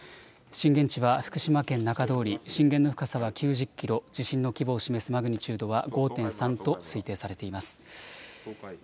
震源地は福島県中通り、震源の深さは９０キロ、地震の規模を示すマグニチュードは５．３と推定されています。